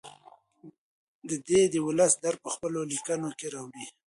دی د ولس درد په خپلو لیکنو کې راوړي.